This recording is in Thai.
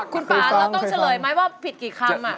คุณป่าเราต้องเฉลยไหมว่าผิดกี่คำ